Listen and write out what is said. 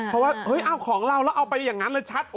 เพราะว่าเอาของเราแล้วเอาไปอย่างนั้น